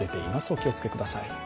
お気をつけください。